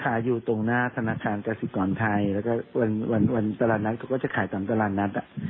อยู่ตรงหน้าธนาคารกสิกรไทยแล้วก็วันตลาดนัดเขาก็จะขายตามตลาดนัด